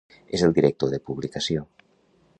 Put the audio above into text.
És el director de publicació.